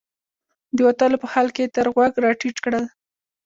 د وتلو په حال کې یې تر غوږ راټیټ کړل.